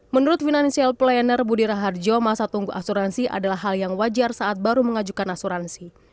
menurut financial planner budi raharjo masa tunggu asuransi adalah hal yang wajar saat baru mengajukan asuransi